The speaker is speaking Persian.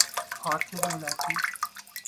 پارک دولتی